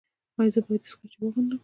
ایا زه باید دستکشې واغوندم؟